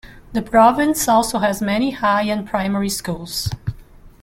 The province also has many high and primary schools.